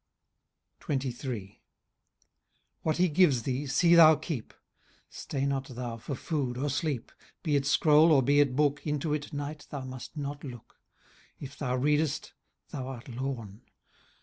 XXIII. What he gives thee, see thou keep ; Stay not thou for food or sleep : Be it scroll, or be it book. Into it. Knight, thou must not look ; If thou readest, thou art lorn